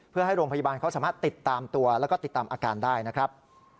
เพื่อให้โรงพยาบาลเขาสามารถติดตามตัวแล้วก็ติดตามอาการได้นะครับ